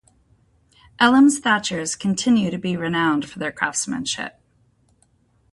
Elim's thatchers continue to be renowned for their craftsmanship.